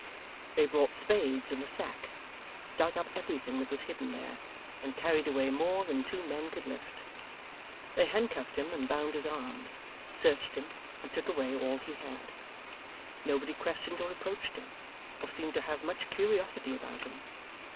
They brought spades and a sack; dug up everything that was hidden there; and carried away more than two men could lift. They handcuffed him and bound his arms, searched him, and took away all he had. Nobody questioned or reproached him, or seemed to have much curiosity about him.